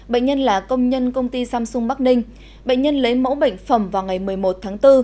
bệnh nhân là công nhân công ty samsung bắc ninh bệnh nhân lấy mẫu bệnh phẩm vào ngày một mươi một tháng bốn